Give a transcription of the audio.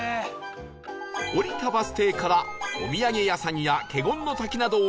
降りたバス停からお土産屋さんや華厳の滝などを巡り